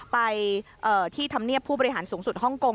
ไปที่ธรรมเนียบผู้บริหารสูงสุดฮ่องกง